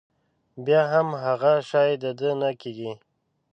بيا هم هغه شی د ده نه کېږي.